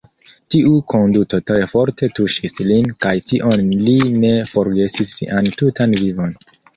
Tiu konduto tre forte tuŝis lin kaj tion li ne forgesis sian tutan vivon.